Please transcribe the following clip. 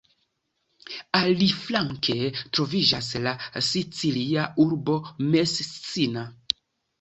Aliflanke troviĝas la sicilia urbo Messina.